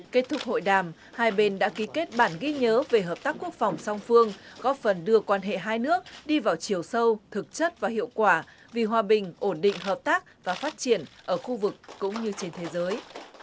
kết thúc hội đàm hai bên đã ký kết bản ghi nhớ về hợp tác quốc phòng song phương góp phần đưa quan hệ hai nước đi vào chiều sâu thực chất và hiệu quả vì hòa bình ổn định hợp tác và phát triển ở khu vực cũng như trên thế giới